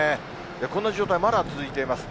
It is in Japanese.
こんな状態、まだ続いています。